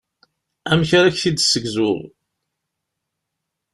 Amek ara k-t-id-ssegzuɣ?